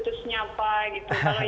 terus nyapa gitu